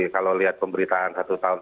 kalau lihat pemberitaan satu tahun